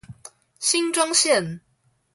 新莊線